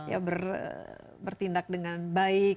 ya bertindak dengan baik